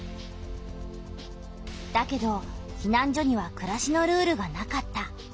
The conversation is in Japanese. だけどひなん所にはくらしのルールがなかった。